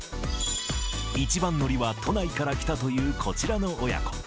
一番乗りは、都内から来たというこちらの親子。